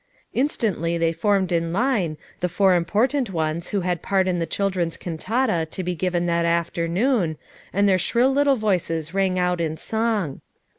Instantly they formed in line, the four impor tant ones who had part in the children's can tata to be given that afternoon, and their shrill little voices rang out in song.